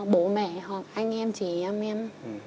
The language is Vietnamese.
bố mẹ hoặc anh em chị em em